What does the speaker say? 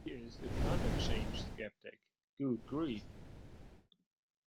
He is a climate change sceptic. Good grief!